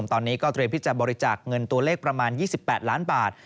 ตอนนี้ก็เตรียมที่จะบริจาคเงินตัวเลขประมาณ๒๘ล้านบาท